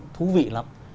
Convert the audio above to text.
thú vị lắm